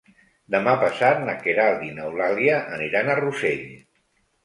Demà passat na Queralt i n'Eulàlia aniran a Rossell.